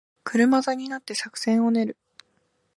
車座になって作戦を練る